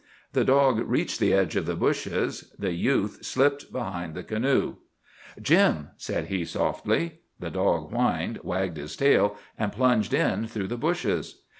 The dog reached the edge of the bushes. The youth slipped behind the canoe. "Jim," said he softly. The dog whined, wagged his tail, and plunged in through the bushes.